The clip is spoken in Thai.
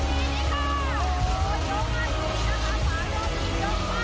ในน้ำตัวไม้หยุดมา